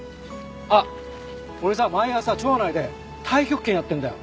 あっ俺さ毎朝町内で太極拳やってるんだよ。